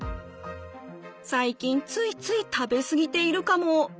最近ついつい食べ過ぎているかも。